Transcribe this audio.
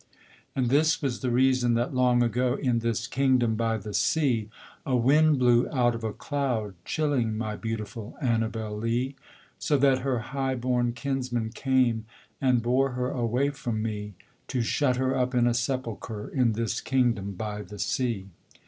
And this was the reason that, long ago, In this kingdom by the sea, A wind blew out of a cloud, chilling My beautiful Annabel Lee; So that her highborn kinsmen came And bore her away from me, To shut her up in a sepulchre In this kingdom by the sea.